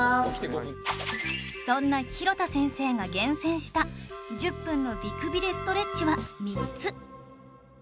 そんな廣田先生が厳選した１０分の美くびれストレッチは３つ